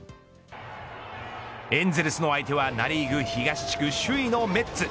エンゼルスの相手はナ・リーグ東地区首位のメッツ。